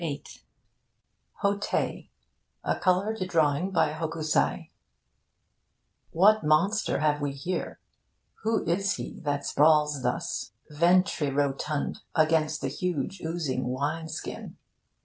'HO TEI' A COLOURED DRAWING BY HOKUSAI What monster have we here? Who is he that sprawls thus, ventrirotund, against the huge oozing wine skin?